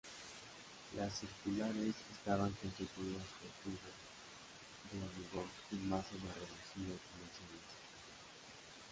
La circulares, estaban constituidas por tubos de hormigón en masa de reducidas dimensiones.